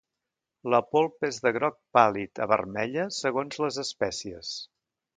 La polpa és de groc pàl·lid a vermella, segons les espècies.